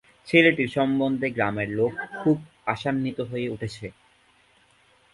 ছেলেটির সম্বন্ধে গ্রামের লোক খুব আশান্বিত হয়ে উঠেছে।